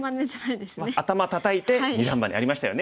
「アタマたたいて二段バネ」ありましたよね。